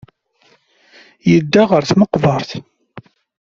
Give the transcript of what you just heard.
Yedda ɣer tmeqbert.